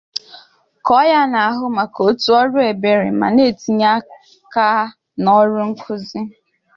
Koya na-ahụ maka otu ọrụ ebere ma na-etinye aka na ọrụ nkuzi.